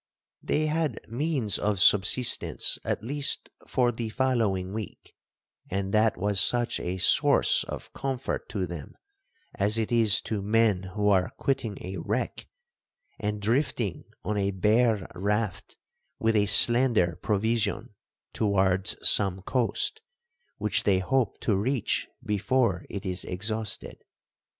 'They had means of subsistence at least for the following week; and that was such a source of comfort to them, as it is to men who are quitting a wreck, and drifting on a bare raft with a slender provision towards some coast, which they hope to reach before it is exhausted.